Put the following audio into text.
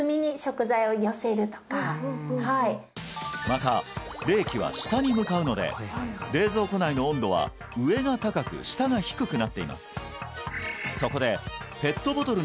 また冷気は下に向かうので冷蔵庫内の温度は上が高く下が低くなっています